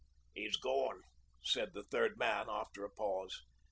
'He's gone,' said the third man after a pause.